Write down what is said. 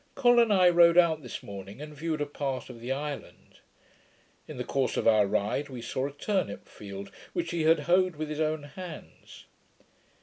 Col and I rode out this morning, and viewed a part of the island. In the course of our ride, we saw a turnip field, which he had hoed with his own hands.